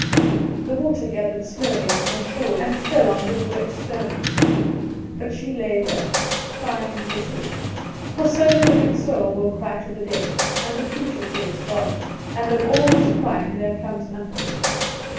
The water gathered slowly on her shawl, and fell on to the wet stones; but she lay there crying bitterly. For so the living soul will cry to the dead, and the creature to its God; and of all this crying there comes nothing.